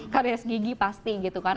karena segigi pasti gitu kan